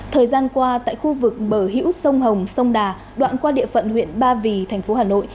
thời gian qua tại khu vực bờ hữu sông hồng sông đà đoạn qua địa phận huyện ba vì thành phố hà nội